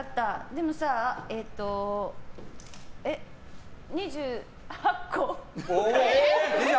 でもさ、２８個。